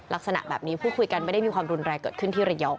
ลักษณะแบบนี้พูดคุยกันไม่ได้มีความรุนแรงเกิดขึ้นที่ระยอง